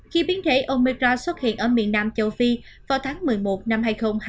khi biến thể omira xuất hiện ở miền nam châu phi vào tháng một mươi một năm hai nghìn hai mươi